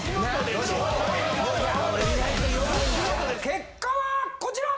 結果はこちら！